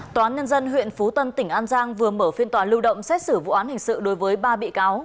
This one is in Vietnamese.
tòa án nhân dân huyện phú tân tỉnh an giang vừa mở phiên tòa lưu động xét xử vụ án hình sự đối với ba bị cáo